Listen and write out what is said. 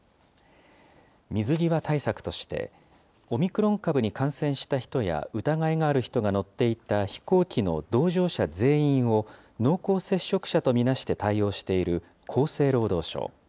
水際対策として、オミクロン株に感染した人や疑いがある人が乗っていた飛行機の同乗者全員を濃厚接触者と見なして対応している厚生労働省。